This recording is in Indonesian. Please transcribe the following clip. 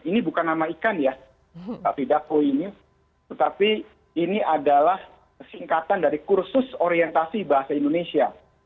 ini bukan nama ikan ya tapi ini adalah singkatan dari kursus orientasi bahasa indonesia